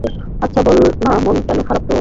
আচ্ছা, বল না মন কেন খারাপ তোর?